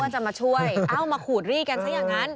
จะมาช่วยเอ้ามาขูดรีดกันซะอย่างนั้น